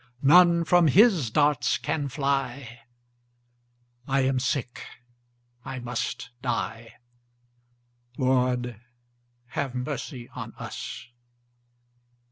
None from his darts can fly; 5 I am sick, I must die— Lord, have mercy on us!